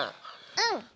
うん！